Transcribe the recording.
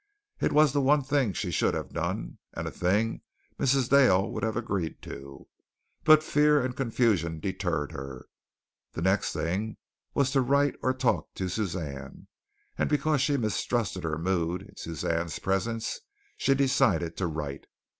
It was the one thing she should have done and a thing Mrs. Dale would have agreed to, but fear and confusion deterred her. The next thing was to write or talk to Suzanne, and because she mistrusted her mood in Suzanne's presence she decided to write.